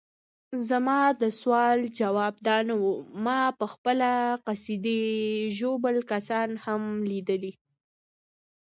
زما د سوال ځواب دا نه وو، ما پخپله قصدي ژوبل کسان هم لیدلي.